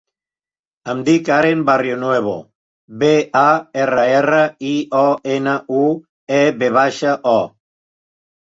Em dic Aren Barrionuevo: be, a, erra, erra, i, o, ena, u, e, ve baixa, o.